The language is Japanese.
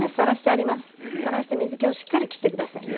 さらして水けをしっかりきって下さいね。